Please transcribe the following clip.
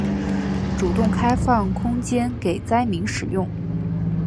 主动开放空间给灾民使用